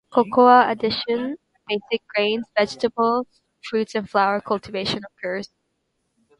Cocoa addition, basic grains, vegetables, fruits and flower cultivation occurs.